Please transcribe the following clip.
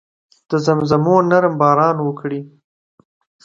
د زمزمو نرم باران وکړي